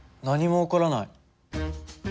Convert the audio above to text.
何も起こらない。